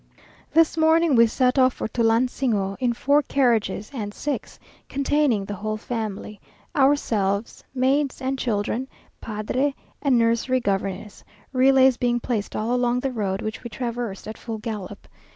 This morning we set off for Tulansingo, in four carriages and six, containing the whole family, ourselves, maids, and children, padre and nursery governess; relays being placed all along the road, which we traversed at full gallop.